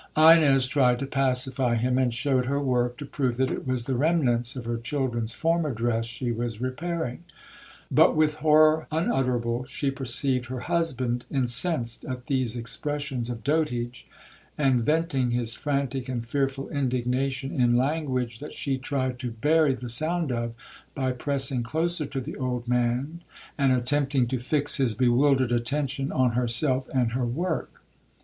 Ines tried to pacify him, and showed her work, to prove that it was the remnants of her children's former dress she was repairing; but, with horror unutterable, she perceived her husband incensed at these expressions of dotage, and venting his frantic and fearful indignation in language that she tried to bury the sound of, by pressing closer to the old man, and attempting to fix his bewildered attention on herself and her work.